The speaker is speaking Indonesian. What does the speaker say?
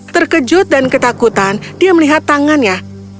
terkejut dan ketakutan dia melihat tangannya